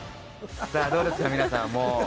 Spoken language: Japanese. どうですか、皆さん。